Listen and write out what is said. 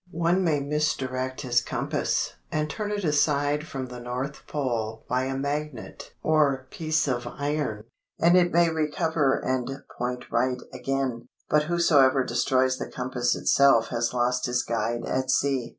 One may misdirect his compass, and turn it aside from the North Pole by a magnet or piece of iron, and it may recover and point right again; but whosoever destroys the compass itself has lost his guide at sea."